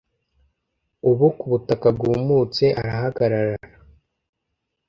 Ubu ku butaka bwumutse arahagarara